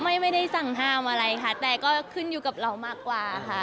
ไม่ได้สั่งห้ามอะไรค่ะแต่ก็ขึ้นอยู่กับเรามากกว่าค่ะ